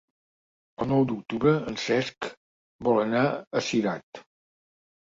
El nou d'octubre en Cesc vol anar a Cirat.